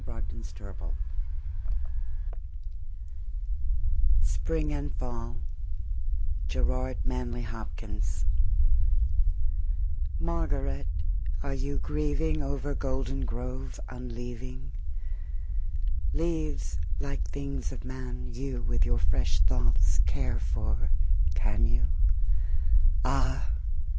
Gerard Manley Hopkins Spring and Fall: To a Young Child MARGARET, are you grieving Over Goldengrove unleaving? Leaves, like the things of man, you With your fresh thoughts care for, can you? Ah!